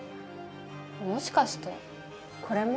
もしかしてこれも？